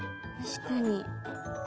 確かに。